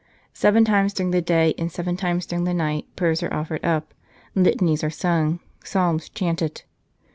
Seven times during the day and seven times during the night prayers are offered up, litanies are sung, psalms chanted.